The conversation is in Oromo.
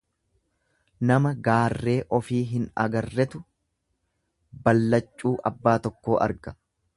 Nama gaarree ofii hin agarretu ballaccuu abbaa tokkoo arga.